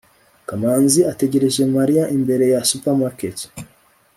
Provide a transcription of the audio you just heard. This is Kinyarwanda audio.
kamanzi ategereje mariya imbere ya supermarket